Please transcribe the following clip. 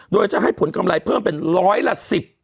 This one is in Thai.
โดยจะให้ผลกำไรเพิ่มเป็นร้อยละ๑๐